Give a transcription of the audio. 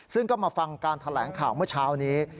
ซึ่งก็มาฟังการแถลงข่าวเมื่อเช้านี้